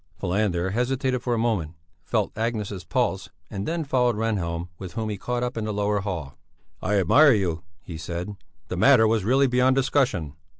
Falander hesitated for a moment, felt Agnes' pulse and then followed Rehnhjelm with whom he caught up in the lower hall. "I admire you!" he said; "the matter was really beyond discussion."